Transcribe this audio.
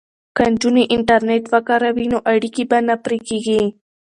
که نجونې انټرنیټ وکاروي نو اړیکې به نه پرې کیږي.